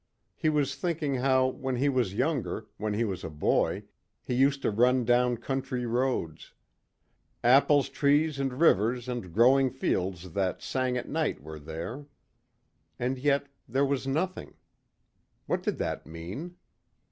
He was thinking how when he was younger, when he was a boy, he used to run down country roads. Apples trees and rivers and growing fields that sang at night were there. And yet, there was nothing. What did that mean?